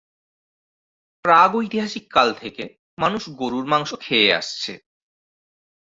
প্রাগৈতিহাসিক কাল থেকে মানুষ গরুর মাংস খেয়ে আসছে।